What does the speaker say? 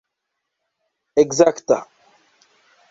ekzakta